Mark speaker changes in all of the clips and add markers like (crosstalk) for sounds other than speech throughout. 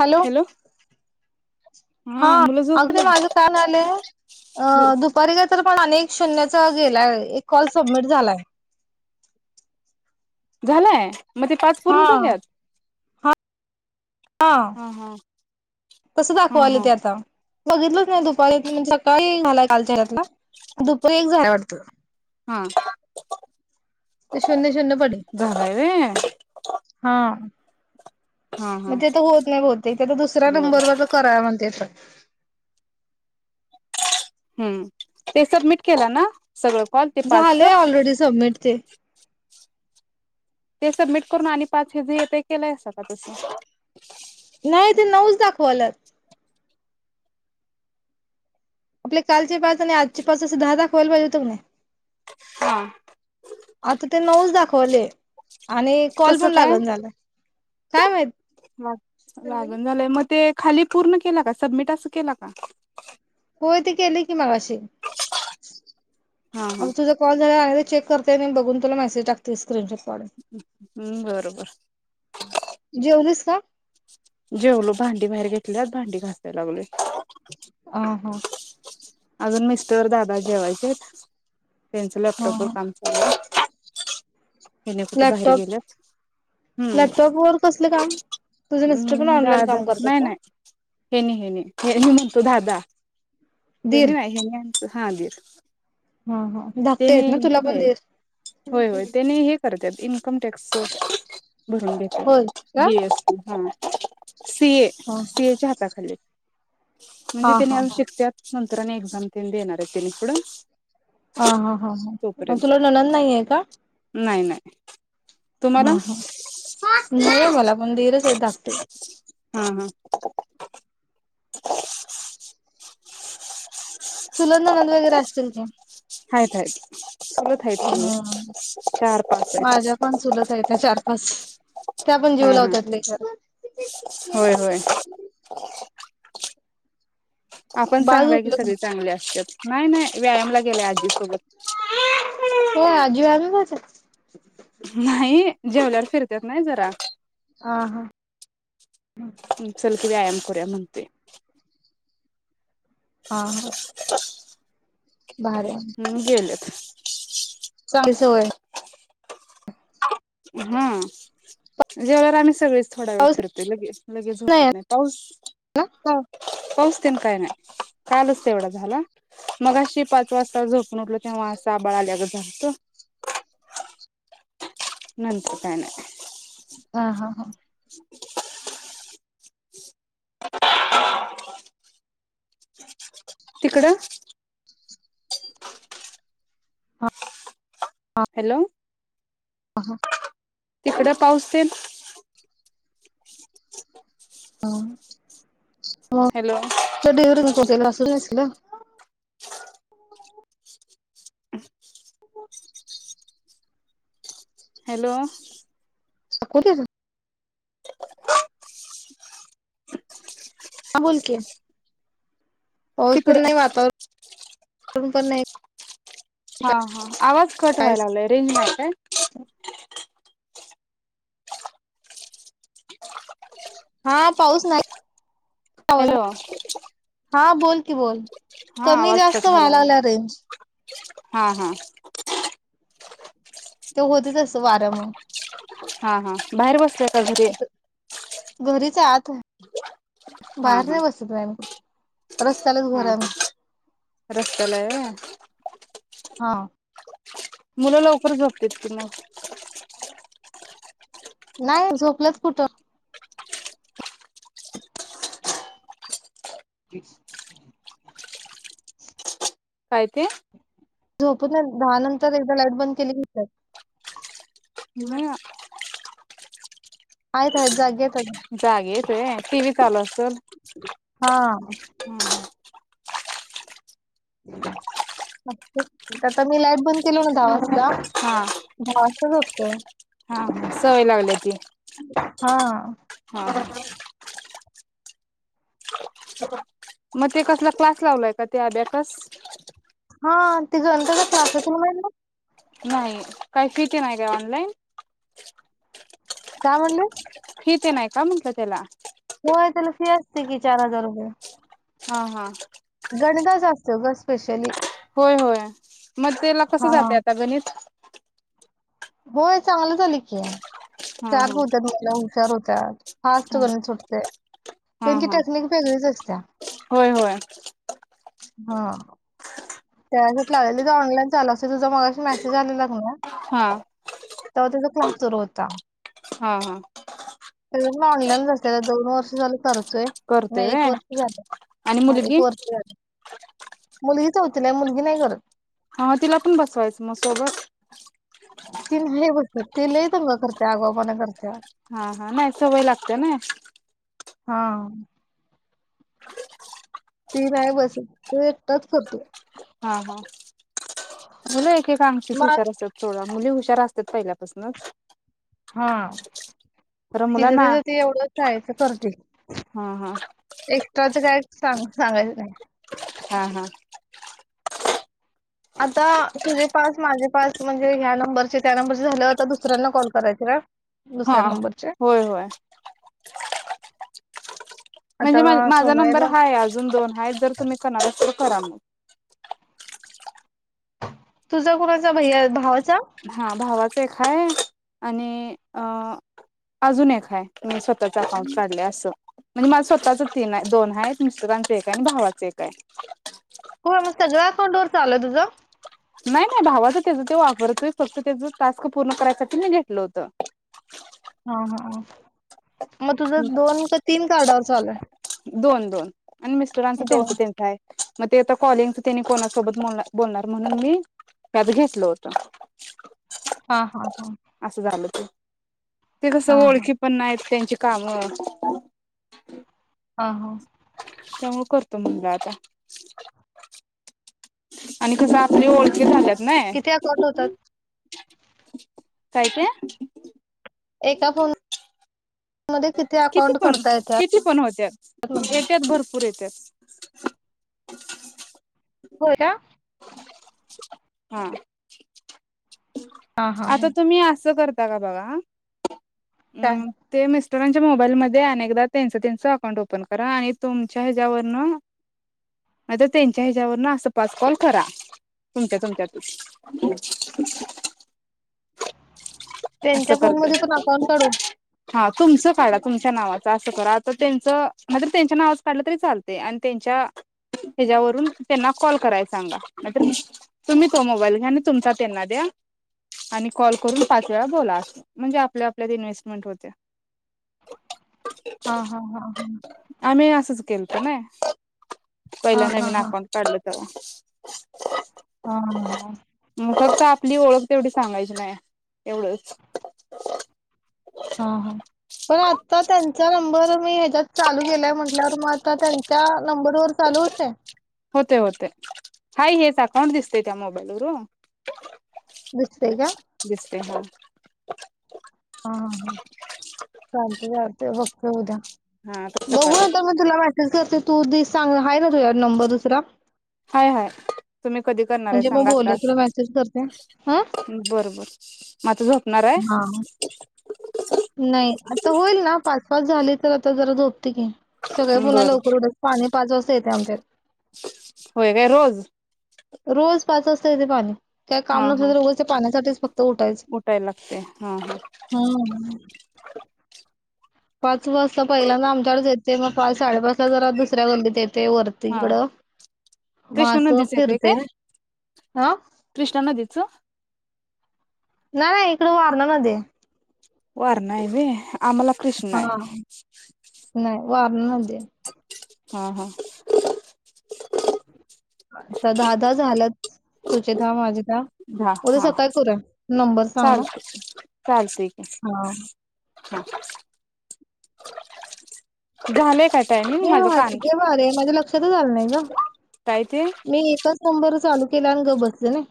Speaker 1: Hello. हा
Speaker 2: मुलं
Speaker 1: अगदी
Speaker 2: झोपले
Speaker 1: माझ काम आलंय, अ दुपारी काय तर पण अनेक शून्याच गेलाय, एक कॉल सबमिट झालाय.
Speaker 2: झालंय? म ते पाच
Speaker 1: हा
Speaker 2: पूर्ण झाल्यात?
Speaker 1: हा हा, तसं
Speaker 2: हा
Speaker 1: दाखवाले
Speaker 2: हा
Speaker 1: ते आता. बघितलंच नाही दुपारी म्हणजे सकाळी झालाय कालच्या रात्रीला, दुपारी एक झाला वाटतं.
Speaker 2: हा‌.
Speaker 1: ते शून्य शून्य पडलंय.
Speaker 2: वे
Speaker 1: हा.
Speaker 2: हा हा
Speaker 1: मग ते तर होत नाही बहुतेक तो आता दुसरा
Speaker 2: बर
Speaker 1: नंबर वरनं करा म्हणतंय आता.
Speaker 2: हम्म ते सबमिट केला ना? सगळं कॉल ते
Speaker 1: झाले
Speaker 2: पाचच
Speaker 1: ऑलरेडी सबमिट ते.
Speaker 2: ते सबमिट करून आणि पाच हेजं येतय ते केलायसा का तसं?
Speaker 1: नाही ते नऊच दाखवाल्यात. आपले कालचे पाच आणि आजचे पाच असं दहा दख व्हायला पाहिजे होत नाही.
Speaker 2: हा
Speaker 1: आता ते नऊच दाखवले आणि कॉल
Speaker 2: कसं
Speaker 1: पण
Speaker 2: काय
Speaker 1: लागण झालाय, काय माहित?
Speaker 2: लागण झालंय मग ते खाली पूर्ण केला का, सबमिट असं केला का?
Speaker 1: होय ते केलंय की मगाशी.
Speaker 2: हा हा
Speaker 1: अगं तुझा कॉल झाल्यावर (unintelligible) चेक करतेय आणि बघून तुला मेसेज टाकते स्क्रीनशॉट. काढून
Speaker 2: हम्म बरं बरं.
Speaker 1: जेवलीस का
Speaker 2: जेवलो, भांडी बाहेर घेतल्यात भांडी घासाय लागलोय.
Speaker 1: अ हा.
Speaker 2: अजून मिस्टर दादा जेवायचेत. त्यांच
Speaker 1: ह
Speaker 2: लॅपटॉपवर
Speaker 1: ह
Speaker 2: काम चालु आहे. त्याने कुठे बाहेर
Speaker 1: लॅपटॉप
Speaker 2: गेल्यात हम्म
Speaker 1: लॅपटॉप वर कसलं काम मिस्टर पण
Speaker 2: हम्म
Speaker 1: ऑनलाईन
Speaker 2: दादा
Speaker 1: काम करतात
Speaker 2: नाही
Speaker 1: का
Speaker 2: नाही, हेनी हेनी हे तो दादा.
Speaker 1: दीर
Speaker 2: हेनी नाही हेनी हा दिर.
Speaker 1: हा हा धाकटे आहेत ना तुला पण दीर.
Speaker 2: कम टेक स भरुन घेतो
Speaker 1: होय का
Speaker 2: बीअसची हा. सीए
Speaker 1: हा
Speaker 2: सीएच्या हाताखाली. म्हणजे
Speaker 1: हा
Speaker 2: तेने
Speaker 1: हा
Speaker 2: आजुन शिकत्यात. त्रने एक्झाम तीन देणार आहेत पुढं
Speaker 1: हा हा हा हा मग
Speaker 2: तोपर्यंत
Speaker 1: तुला ननंद नाहीये का?
Speaker 2: नाही नाही. तुम्हाला
Speaker 1: हम् हम नाही मला पण दीरच हाय धा
Speaker 2: (unintelligible) हा हा
Speaker 1: चुलत नंनद वगैरे असतील की.
Speaker 2: (unintelligible) आहेत की मग
Speaker 1: हम्म,
Speaker 2: चार पाच आहेत
Speaker 1: माझ्या पण चुलत हाइत चार पाच त्या पण
Speaker 2: हा
Speaker 1: जीव
Speaker 2: हा
Speaker 1: लावतात लई खर.
Speaker 2: होय होय आपण
Speaker 1: बाळ
Speaker 2: चांगलाय की
Speaker 1: झोपलं नाही?
Speaker 2: सगळे चांगले असतात. नाही नाही व्यायामला गेलाय आजीसोबत
Speaker 1: होय आजी व्यायमला जात्या?
Speaker 2: नाही जेवल्यावर फिरतेत नाही जरा
Speaker 1: ह हा
Speaker 2: चल व्यायाम करूया म्हणतोय
Speaker 1: हा हा भारी आहे
Speaker 2: म्हणुन गेल्यात
Speaker 1: (unintelligible)
Speaker 2: हा जेवल्यावर आम्ही सगळेच थोडा वेळ
Speaker 1: पाऊस
Speaker 2: फिरतोय लगे लगेच झोपत नाही, पाऊस पाऊस तेन काय नाही कालच तेवढा झाला, मगाशी पाच वाजता झोपून उठल तेव्हा असं आभाळ आल्यागत झालत नंतर काय नाय.
Speaker 1: हा हा हा.
Speaker 2: तिकडं.
Speaker 1: हा
Speaker 2: हॅलो.
Speaker 1: हा.
Speaker 2: तिकड पाऊस तेन. Hello
Speaker 1: (unintelligible) (unintelligible)
Speaker 2: hello.
Speaker 1: (unintelligible) ह बोल कि. पाऊस
Speaker 2: तिकड
Speaker 1: पण नाही वातावरण ऊन पण नाही.
Speaker 2: हा हा आवाज कट
Speaker 1: कायच
Speaker 2: व्हायला लागलाय रेंज नाय काय?
Speaker 1: हा पाऊस नाही आवाज
Speaker 2: हॅलो
Speaker 1: हा बोल की बोल
Speaker 2: हा
Speaker 1: कमी
Speaker 2: आवाज
Speaker 1: जास्त
Speaker 2: कट व्हायला
Speaker 1: व्हायलागल्या
Speaker 2: लागलाय
Speaker 1: रेंज.
Speaker 2: हा हा.
Speaker 1: ते होतच अस वाऱ्यामुळ
Speaker 2: हा हा बाहेर बसले काय घरी आहे?
Speaker 1: घरीचे आहे आत हाय.
Speaker 2: हा
Speaker 1: बाहेर नाही बसत बाई मी कुठ.
Speaker 2: हा हा रस्त्याला हाय व्हय?
Speaker 1: हा
Speaker 2: मुलं लवकर झोपत्यात कि म
Speaker 1: नाही झोपलेत कुठं (inaudible)
Speaker 2: काय ते?
Speaker 1: झोपत नाहीत दहा नंतर एकदा लाईट बंद केली की
Speaker 2: नाही
Speaker 1: हाईत हाईत जागी हाईत आजून.
Speaker 2: जागी आहेत व्हय टी. व्ही चालू आसल?
Speaker 1: हा आता मी लाईट बंद केलो ना दहा ला
Speaker 2: हा
Speaker 1: दहावाजता झोपतोय
Speaker 2: हा हा सवय लावल्या ती.
Speaker 1: हा (inaudible)
Speaker 2: हा हा
Speaker 1: (unintelligible)
Speaker 2: मग ते कसला क्लास लावलाय का त्या अब्याकस?
Speaker 1: हा ते गणिताच क्लासेस रूम हाइत नव्ह
Speaker 2: नाही काही फी तेन हाय काय ऑनलाईन?
Speaker 1: काय म्हणलस
Speaker 2: फी तेन हाय का म्हंटल तेला
Speaker 1: होय त्याला फी की चार हजार रुपये
Speaker 2: हा, हा
Speaker 1: गणिताचा असतोय ग स्पेशली
Speaker 2: होय होय मग तेला कस
Speaker 1: हा
Speaker 2: जात्यात आता गणित
Speaker 1: होय चांगलं चालय की
Speaker 2: हा
Speaker 1: चार्ज
Speaker 2: हा
Speaker 1: होत्यात म्हटलं हुशार होत्यात फास्ट
Speaker 2: हा
Speaker 1: गणित सुटतय
Speaker 2: हा
Speaker 1: तेची
Speaker 2: हा
Speaker 1: टेक्निक वेगळीच असत्या
Speaker 2: होय होय
Speaker 1: हा त्यासाठी लागलीच ऑनलाईन चालू असतय तूझा मगाशी मेसेज आलेला कणी
Speaker 2: हा
Speaker 1: तास सुरू होता
Speaker 2: हा हा
Speaker 1: ती पण ऑनलाईनच असतीया ग दोन वर्ष झालं करुन
Speaker 2: करतोय
Speaker 1: नाही एक
Speaker 2: व्हय
Speaker 1: वर्ष झालं
Speaker 2: आणि
Speaker 1: हा
Speaker 2: मुलगी
Speaker 1: एक वर्ष झालं मुलगीच होत तीला मुलगी नाही करत
Speaker 2: हा तिला पण बसवायचं म सोबत
Speaker 1: ती नाही बसत ती लय दंगा करतीया आगाऊपना करतीया
Speaker 2: हा हा नाय सवय लागतीया नाय
Speaker 1: हा ती नाही बसत तो एकटाच करतो
Speaker 2: हा हा मुल एकेककांक्षी
Speaker 1: मग
Speaker 2: हुशार असत्यात पोरं मुली हुशार असत्यात पहिल्यापसनच
Speaker 1: हा तिज तिज ती एवढं पायाचं करते
Speaker 2: हा हा
Speaker 1: एक्स्ट्राच काय सांग सांगायच नाय
Speaker 2: हा हा
Speaker 1: आता तुझे पाच माझे पाच म्हणजे ह्या नंबरचे त्या नंबरचे झाल्यावर आता दुसऱ्यांना कॉल करायचा काय
Speaker 2: हा होय होय म्हणजे
Speaker 1: आता
Speaker 2: माझा नंबर
Speaker 1: सोमवारला
Speaker 2: हाय अजून दोन हाय जर तुम्ही करणार असा करा मग
Speaker 1: तुझा कुणाचा भैया भावाचा
Speaker 2: हा भावाच एक हाय आणि अजून एक हाय मी स्वतःच अकाउंट काढलंय असं म्हणजे माझ स्वतःच तीन हाय दोन हाय मिस्टरांच एक हाय आणि भावाचं एक हाय
Speaker 1: हो मग सगळं अकाउंट वर चाललय तुझं
Speaker 2: नाय नाय भावाच त्याच ते वापरतोय फक्त त्याच टास्क पूर्ण करायसाठी मी घेतलं होत
Speaker 1: हा हा हा. मग तुझं दोन का तीन कार्डावर चालु हाय?
Speaker 2: दोन दोन. आणि मिस्टरांच तेंच तेंच हाय. मग ते आता कॉलिंगच त्यांनी कोणासोबत बोल बोलणार म्हणून मी त्यात घेतल होत.
Speaker 1: हा हा. हा
Speaker 2: असं झालं ते. ते
Speaker 1: हा
Speaker 2: कसं
Speaker 1: हा
Speaker 2: ओळखी पण नाहीत त्यांची. काम
Speaker 1: हा हा.
Speaker 2: त्यामुळ करतो मुलगा आता. आणि कस आपली ओळखी झाल्यात. नाही
Speaker 1: किती अकाउंट होतात?
Speaker 2: काय ते? (inaudible)
Speaker 1: एका फोन मध्ये
Speaker 2: किती
Speaker 1: अकाउंट
Speaker 2: पण,
Speaker 1: करता येतात
Speaker 2: किती पण होत्यात,
Speaker 1: म्हटली
Speaker 2: येत्यात भरपूर येत्यात. (inaudible)
Speaker 1: होय ना.
Speaker 2: हां
Speaker 1: हा हा
Speaker 2: (inaudible)
Speaker 1: हा
Speaker 2: आता तुम्ही असं कर त्याला बघा हं.
Speaker 1: काय
Speaker 2: हम्मं ते मिस मिस्टरांच्या मोबाईलमध्ये अनेकदा त्यांचं त्यांचं अकाउंट ओपन करा आणि तुमच्या ह्याच्यावरनं नाहीतर, त्यांच्या ह्याच्यावरन असं पाच कॉल करा, तुमच्या तुमच्यातच
Speaker 1: त्यांच्या फोन मध्ये पण अकाउंट काढू?
Speaker 2: हां तुमचं काढा तुमच्या नावाच असं करा. आता त्यांचं आता त्यांच्या नावाच काढलं तरी चालतय आणि त्यांच्या हॅच्यावरून त्यांना कॉल करायचा. सांगा, नाहीतर तुम्ही तो मोबाईल घ्या तुमचा त्यांना द्या आणि कॉल करून पाच वेळा बोला म्हणजे आपल्या आपल्यात इन्व्हेस्टमेंट होते.
Speaker 1: हां हां हा हं.
Speaker 2: आम्ही (unintelligible) पहिला नवीन अकाऊंट काढल. (unintelligible) (unintelligible)
Speaker 1: हा हा हा.
Speaker 2: फक्त आपली ओळख तेवढी सांगायची नाही एवढच.
Speaker 1: हां हां, पण आता त्यांचा नंबर (unintelligible) चालू केलाय म्हंटल्यावर मग आता, त्यांच्या नंबर वर चालू होतय?
Speaker 2: होतय होतय, हाय हेच अकाउंट दिसतय त्या मोबाईलवर हो
Speaker 1: दिसतय का?
Speaker 2: ते हा (unintelligible)
Speaker 1: हां हं (unintelligible) वक्त होऊ द्या
Speaker 2: हा तसं करा
Speaker 1: बघूया (unintelligible) (unintelligible) सांग आहे ना तुझ्याकडं नंबर दुसरा
Speaker 2: हाय हाय. तुम्ही कधी करणार आहे
Speaker 1: म्हणजे मग
Speaker 2: सांगा आता?
Speaker 1: बोलूया तुला मेसेज करते हा
Speaker 2: बर बर. (unintelligible) झोप.
Speaker 1: हा
Speaker 2: (unintelligible)
Speaker 1: नाही, आता होईल ना पाच पाच झाली तर आता जरा झोप. ठिक आहे, सगळे पुन्हा
Speaker 2: बर
Speaker 1: लवकर उठाय पाणी पाच वाजता येतं ते आमच्यात
Speaker 2: होय का रोज
Speaker 1: रोज पाच वाजता येते पाणी काय काम
Speaker 2: हा हा
Speaker 1: नग पाण्यासाठी त उटायच
Speaker 2: उठायला लागते हा हा
Speaker 1: हम्म. (inaudible) बस पहिल्यादा आमच्याकडेच येत. ते मग पाच साडेपाच ला जरा दुसऱ्या गल्लीतेत ते वरती
Speaker 2: हा
Speaker 1: ईकड
Speaker 2: कृष्णा
Speaker 1: मासं
Speaker 2: नदीच येते काय
Speaker 1: फिरतील. (inaudible)
Speaker 2: कृष्णा नदीच
Speaker 1: व्हय इकडं वारणा नदी आय.
Speaker 2: वारणा हाय व्हय. आम्हाला कृष्णा हाय.
Speaker 1: नाय वारणा नदी हाय.
Speaker 2: हा हा.
Speaker 1: आता दहा दहा झाल्याच तुझे दहा माझे दहा
Speaker 2: हा
Speaker 1: उद्या
Speaker 2: हा
Speaker 1: सकाळी करूया नंबर सांग मग
Speaker 2: चालतंय चालतंय की,
Speaker 1: हा.
Speaker 2: झाले का?
Speaker 1: हेव हेवर माझ्या लक्षातच आलं नाय ग
Speaker 2: काय ते
Speaker 1: मी एकच नंबर चालू लाग गप बसते ना.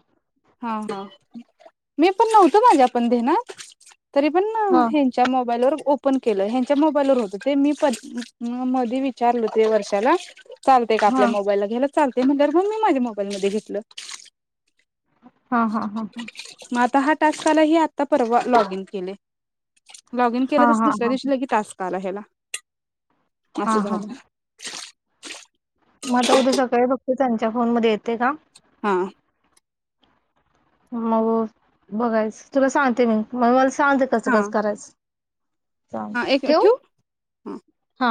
Speaker 2: हा ह मी पण नव्हतं माझ्या पण धेनात. तरी पण
Speaker 1: हां
Speaker 2: हेनच्या मोबाईलवर ओ मी केलं हेनच्या मोबाईलवर होत तेनी पन मधी विचारल होत हे वर्षाला चालतय का आपल्या
Speaker 1: हां
Speaker 2: मोबाईलला घ्यायला चालतय म्हणल्यावर म मी माझ्या मोबाईल मध्ये घीतलं
Speaker 1: हा हा हा हा
Speaker 2: हा टास्क मला ही आता परवा लॉग इन केले लॉगिन केलं
Speaker 1: हां
Speaker 2: तसं
Speaker 1: हां
Speaker 2: दुसऱ्या
Speaker 1: हां
Speaker 2: दिवशी लगी टास्क काला हेला अस
Speaker 1: हां हां
Speaker 2: झाल मग
Speaker 1: मग आता उद्या सकाळी बघते त्यांच्या फोन मध्ये येतय का
Speaker 2: हा
Speaker 1: मग बघायच तुला सांगते मी मगलस सांग ते कसं कसं करायच
Speaker 2: हा एक
Speaker 1: ठेवू
Speaker 2: हा
Speaker 1: हा